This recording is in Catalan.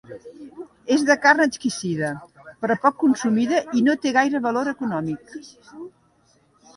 És de carn exquisida, però poc consumida i no té gaire valor econòmic.